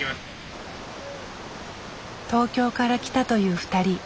東京から来たという２人。